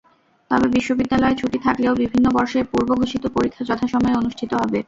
তবে বিশ্ববিদ্যালয় ছুটি থাকলেও বিভিন্ন বর্ষের পূর্বঘোষিত পরীক্ষা যথাসময়ে অনুষ্ঠিত হবে।